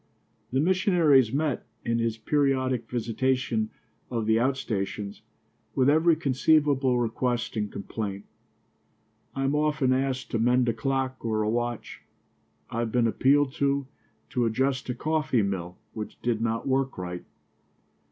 The missionary is met, in his periodic visitation of the outstations, with every conceivable request and complaint. I am often asked to mend a clock or a watch. I have been appealed to to adjust a coffee mill which did not work right.